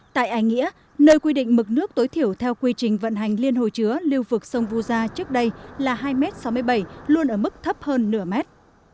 tại ải nghĩa nơi quy định mực nước tối thiểu theo quy trình vận hành liên hồ chứa lưu vực sông vu gia trước đây là hai m sáu mươi bảy luôn ở mức thấp hơn nửa mét